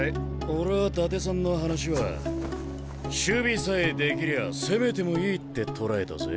俺は伊達さんの話は守備さえできりゃあ攻めてもいいって捉えたぜ。